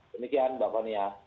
demikian mbak fania